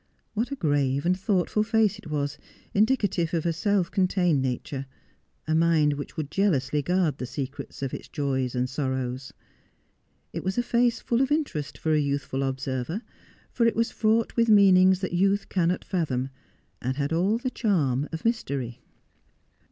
What a grave and thoughtful face it was, indicative of a self contained nature — a mind which would jealously guard the secret of its joys and sorrows ! It was a face full of interest for a youthful observer, for it was fraught with meanings that youth cannot fathom, and had all the charm of mystery.